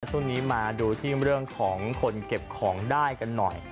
ช่วงนี้มาดูที่เรื่องของคนเก็บของได้กันหน่อย